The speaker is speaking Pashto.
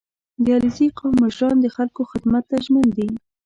• د علیزي قوم مشران د خلکو خدمت ته ژمن دي.